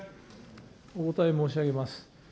お答え申し上げます。